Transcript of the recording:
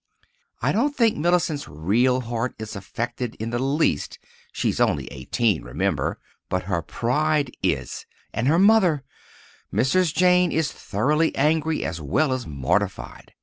I don't think Mellicent's real heart is affected in the least—she's only eighteen, remember—but her pride is. And her mother—! Mrs. Jane is thoroughly angry as well as mortified.